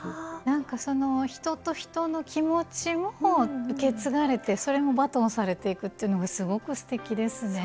なんか人と人の気持ちも受け継がれてそれもバトンされていくっていうのがすごくすてきですね。